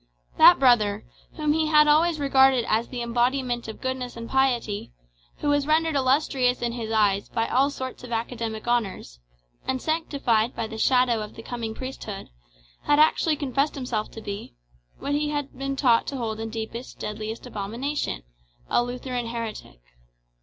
That brother, whom he had always regarded as the embodiment of goodness and piety, who was rendered illustrious in his eyes by all sorts of academic honours, and sanctified by the shadow of the coming priesthood, had actually confessed himself to be what he had been taught to hold in deepest, deadliest abomination a Lutheran heretic.